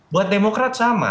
buat demokrat sama